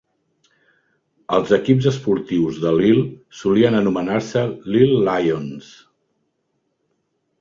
Els equips esportius de Lyle solien anomenar-se Lyle Lions.